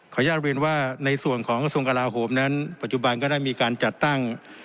อนุญาตเรียนว่าในส่วนของกระทรวงกลาโหมนั้นปัจจุบันก็ได้มีการจัดตั้ง